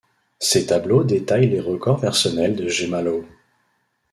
Ces tableaux détaillent les records personnels de Jemma Lowe.